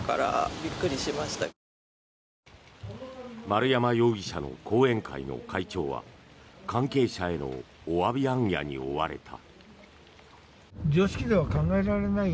丸山容疑者の後援会の会長は関係者へのおわび行脚に追われた。